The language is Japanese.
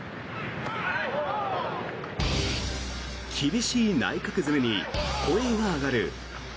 厳しい内角攻めに声が上がる。